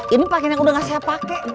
ini pakaian yang udah gak siap pake